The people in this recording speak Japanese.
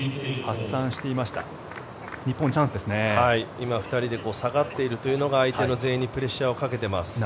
今、２人で下がっているというのが相手の前衛にプレッシャーをかけています。